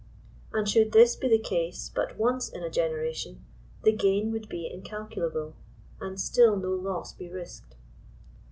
And should this be the case but once in a generation, the gain would be incalculable, and still no loss be risked.